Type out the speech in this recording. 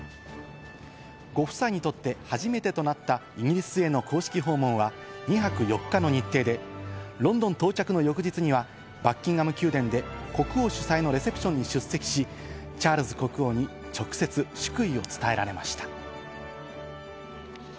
ご夫妻にとって初めてとなったイギリスへの公式訪問は２泊４日の日程で、ロンドン到着の翌日にはバッキンガム宮殿で国王主催のレセプションに出席し、チャールズ国王に直接、祝意を伝えられました。